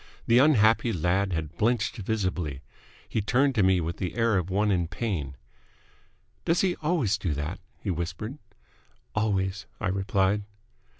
The unhappy lad had blenched visibly. He turned to me with the air of one in pain. "Does he always do that?" he whispered. "Always," I replied.